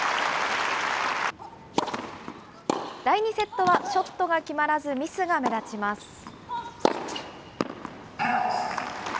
第２セットはショットが決まらず、ミスが目立ちます。